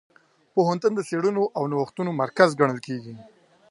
پوهنتون د څېړنو او نوښتونو مرکز ګڼل کېږي.